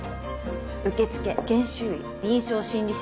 受付研修医臨床心理士の私。